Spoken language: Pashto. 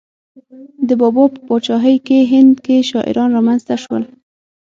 د بابا په پاچاهۍ کې هند کې شاعران را منځته شول.